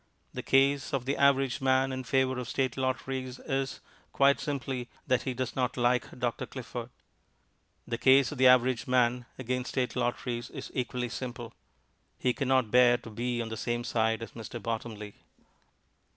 The case of the average man in favour of State lotteries is, quite simply, that he does not like Dr. Clifford. The case of the average man against State lotteries is equally simple; he cannot bear to be on the same side as Mr. Bottomley.